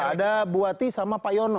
ada buati sama pak yono